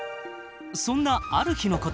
そんなある日のこと。